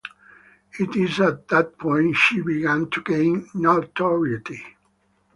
It is at that point she began to gain notoriety.